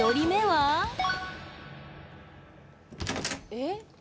えっ？